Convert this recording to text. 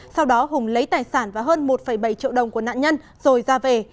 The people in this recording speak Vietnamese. sau đó hùng lấy tài sản và hơn một bảy triệu đồng của nạn nhân rồi ra về